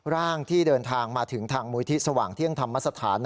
ร่างที่เดินทางมาถึงทางมูลที่สว่างเที่ยงธรรมสถาน